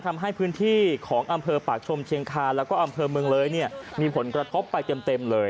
ทำให้พื้นที่ของอำเภอปากชมเชียงคาแล้วก็อำเภอเมืองเลยเนี่ยมีผลกระทบไปเต็มเลย